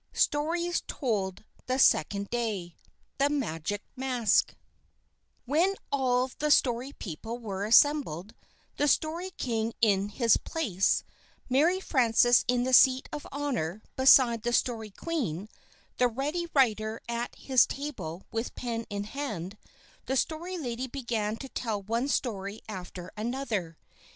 STORIES TOLD THE SECOND DAY XX THE MAGIC MASK WHEN all the Story People were assembled, the Story King in his place, Mary Frances in the seat of honor beside the Story Queen, the Ready Writer at his table with pen in hand, the Story Lady began to tell one story after another.